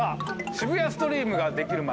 渋谷ストリームが出来る前